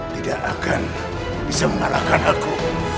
tidak akan bisa mengalahkan aku